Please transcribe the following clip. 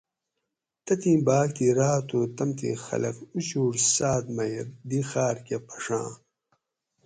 تتھی بھاۤگ تھی راۤت ہو تمتھیں خلق اُوچھوٹ ساۤت مئی دی خاۤر کہ پھڛاں